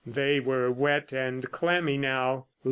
They were wet and clammy now.